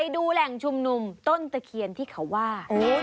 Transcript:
ดูแหล่งชุมนุมต้นตะเคียนที่เขาว่า